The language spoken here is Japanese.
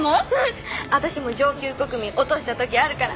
私も上級国民落とした時あるから。